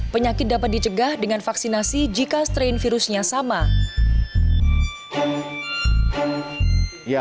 penyakit dapat dicegah dengan vaksinasi jika strain virusnya sama